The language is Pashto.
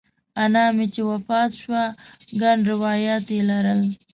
انا مې چې وفات شوه ګڼ روایات یې لرل.